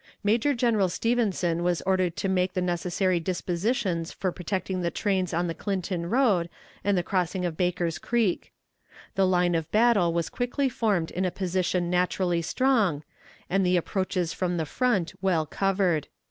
Major General Stevenson was ordered to make the necessary dispositions for protecting the trains on the Clinton road and the crossing of Baker's Creek. The line of battle was quickly formed in a position naturally strong, and the approaches from the front well covered.